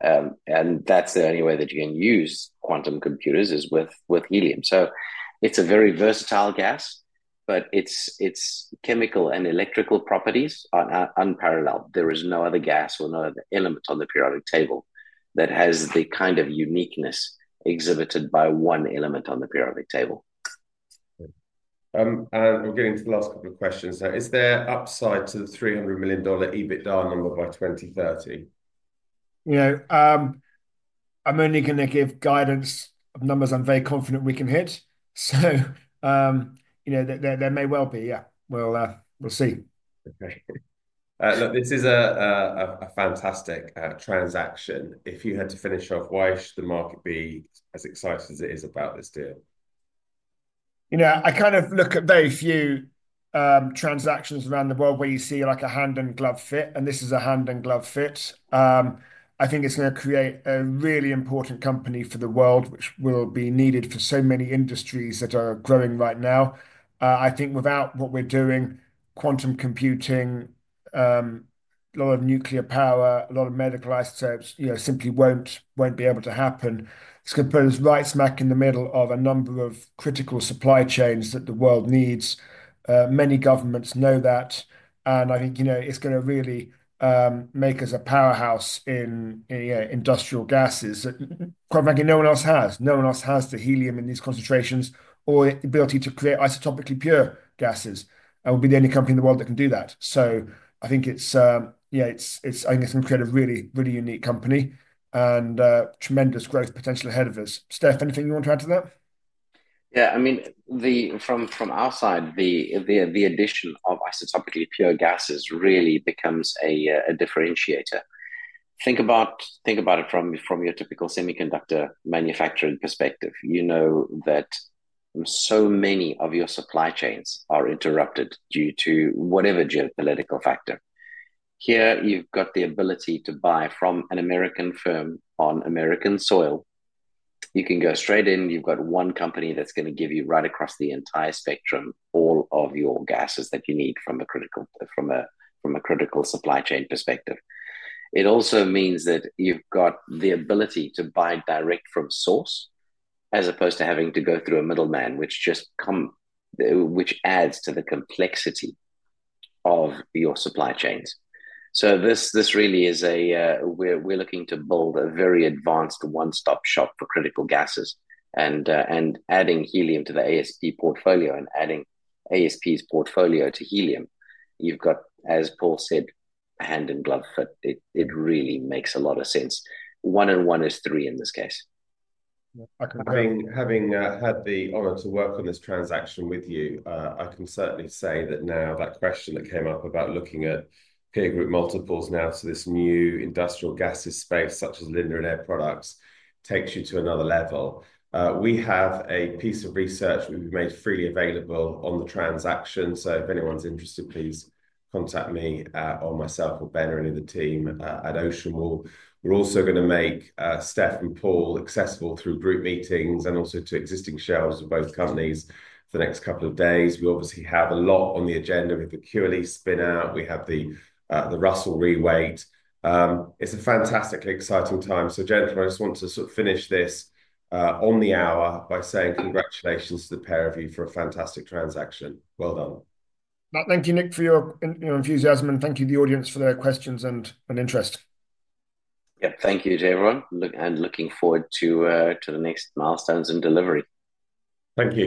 That's the only way that you can use quantum computers is with helium. It's a very versatile gas, but its chemical and electrical properties are unparalleled. There is no other gas or no other element on the periodic table that has the kind of uniqueness exhibited by one element on the periodic table. We're getting to the last couple of questions. Is there upside to the $300 million EBITDA number by 2030? I'm only going to give guidance of numbers I'm very confident we can hit. There may well be. Yeah. We'll see. Okay. Look, this is a fantastic transaction. If you had to finish off, why should the market be as excited as it is about this deal? I kind of look at very few transactions around the world where you see a hand and glove fit. This is a hand and glove fit. I think it's going to create a really important company for the world, which will be needed for so many industries that are growing right now. I think without what we're doing, quantum computing, a lot of nuclear power, a lot of medical isotopes simply won't be able to happen. It's going to put us right smack in the middle of a number of critical supply chains that the world needs. Many governments know that. I think it's going to really make us a powerhouse in industrial gases that, quite frankly, no one else has. No one else has the helium in these concentrations or the ability to create isotopically pure gases. We'll be the only company in the world that can do that. I think it's going to create a really, really unique company and tremendous growth potential ahead of us. Steph, anything you want to add to that? Yeah. I mean, from our side, the addition of isotopically pure gases really becomes a differentiator. Think about it from your typical semiconductor manufacturing perspective. You know that so many of your supply chains are interrupted due to whatever geopolitical factor. Here, you've got the ability to buy from an American firm on American soil. You can go straight in. You've got one company that's going to give you right across the entire spectrum, all of your gases that you need from a critical supply chain perspective. It also means that you've got the ability to buy direct from source as opposed to having to go through a middleman, which adds to the complexity of your supply chains. This really is a we're looking to build a very advanced one-stop shop for critical gases. Adding helium to the ASP portfolio and adding ASP's portfolio to helium, you've got, as Paul said, a hand and glove fit. It really makes a lot of sense. One and one is three in this case. Having had the honor to work on this transaction with you, I can certainly say that now that question that came up about looking at peer group multiples now to this new industrial gases space, such as Linde and Air Products, takes you to another level. We have a piece of research we've made freely available on the transaction. If anyone's interested, please contact me or myself or Ben or any of the team at OceanWall. We're also going to make Steph and Paul accessible through group meetings and also to existing shareholders of both companies for the next couple of days. We obviously have a lot on the agenda with the QLE spin-out. We have the Russell re-weight. It's a fantastically exciting time. Gentlemen, I just want to sort of finish this on the hour by saying congratulations to the pair of you for a fantastic transaction. Well done. Thank you, Nick, for your enthusiasm. Thank you, the audience, for their questions and interest. Yeah, thank you to everyone. Looking forward to the next milestones and delivery. Thank you.